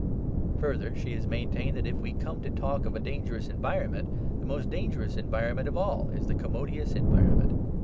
Further, she has maintained that if we come to talk of a dangerous environment, the most dangerous environment of all is the commodious environment.